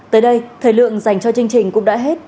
tới đây thời lượng dành cho chương trình cũng đã hết